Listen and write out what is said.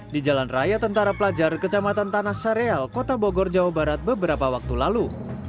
di jalan raya tentara pelajar kecamatan tanah sareal kota bogor jawa barat beberapa waktu lalu